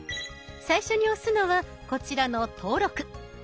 最初に押すのはこちらの「登録」。